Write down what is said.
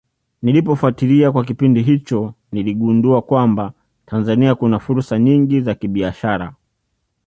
Nilipofatilia kwa kipindi hicho niligundua kwamba Tanzania kuna fursa nyingi za kibiashara